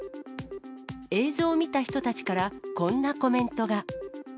映像を見た人たちからこんなコメントが。